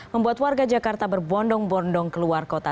membuat warga jakarta berbondong bondong keluar kota